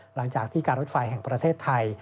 หลังจากที่การรถไฟแห่งประเทศไทย